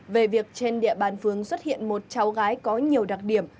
về việc trên địa bàn phường xuất hiện một cháu gái có nhiều đặc điểm